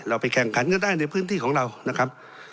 ไปแข่งขันกันได้ในพื้นที่ของเรานะครับ